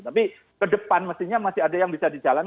tapi ke depan mestinya masih ada yang bisa dijalankan